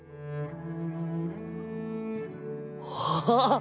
ああ！